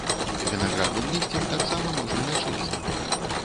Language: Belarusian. Вінаградным лісцем таксама можна лячыцца.